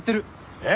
えっ？